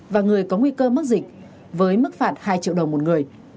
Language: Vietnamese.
và người có nguy cơ mắc dịch với mức phạt hai triệu đồng một người